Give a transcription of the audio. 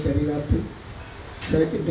saya jendela saya jendela di sini